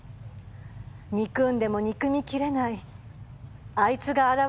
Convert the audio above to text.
憎んでも憎みきれないあいつが現れたんです。